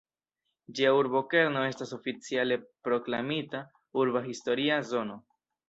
Ĝia urbokerno estas oficiale proklamita "Urba historia zono".